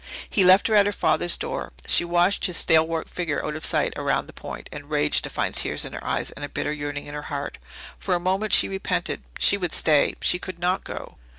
He left her at her father's door. She watched his stalwart figure out of sight around the point, and raged to find tears in her eyes and a bitter yearning in her heart. For a moment she repented she would stay she could not go.